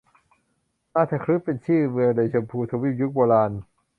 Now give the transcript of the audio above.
ราชคฤห์ เป็นชื่อเมืองในชมพูทวีปยุคโบราณ